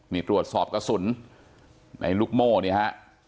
นี่ตรวจสอบกระสุนในลูกโม่เนี่ยฮะ